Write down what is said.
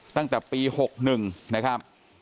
ตั้งแต่ปี๖๑นะครับ